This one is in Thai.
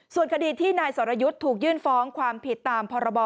ส่วนคดีที่นายสรยุทธ์ถูกยื่นฟ้องความผิดตามพรบ